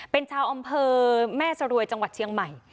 เป็นชาวอำเภอแม่สรวยจังหวัดเชียงใหม่